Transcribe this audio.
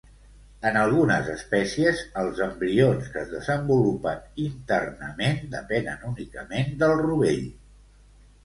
En algunes espècies, els embrions que es desenvolupen internament depenen únicament del rovell.